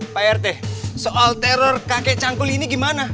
pak rt soal teror kakek cangkul ini gimana